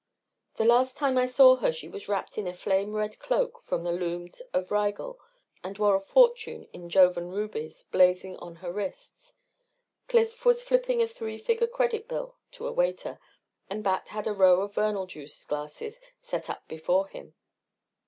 The last time I saw her she was wrapped in a flame red cloak from the looms of Rigel and wore a fortune in Jovan rubies blazing on her wrists. Cliff was flipping a three figure credit bill to a waiter. And Bat had a row of Vernal juice glasses set up before him.